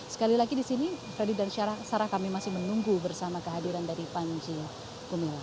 sekali lagi di sini freddy dan sarah kami masih menunggu bersama kehadiran dari panji gumilang